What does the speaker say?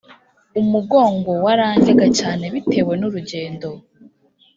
Umugongo warandyaga cyane bitewe n urugendo